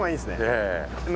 ええ。